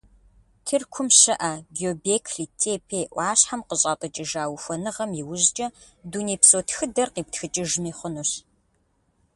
Тыркум щыӀэ Гёбекли-Тепе Ӏуащхьэм къыщӀатӀыкӀыжа ухуэныгъэм иужькӀэ дунейпсо тхыдэр къиптхыкӀыжми хъунущ.